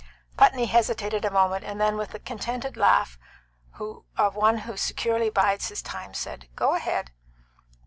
Putney hesitated a moment, and then, with the contented laugh of one who securely bides his time, said, "Go ahead."